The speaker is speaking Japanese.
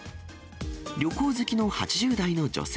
旅行好きの８０代の女性。